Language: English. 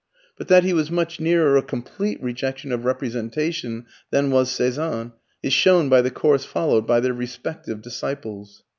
But that he was much nearer a complete rejection of representation than was Cezanne is shown by the course followed by their respective disciples.